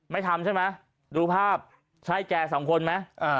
ไม่ทำใช่ไหมดูภาพใช่แกสองคนไหม